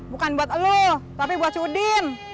bukan buat elu tapi buat si udin